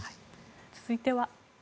続いては。